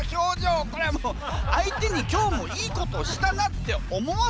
これはもう相手に今日もいいことしたなって思わせたよね。